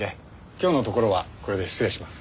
今日のところはこれで失礼します。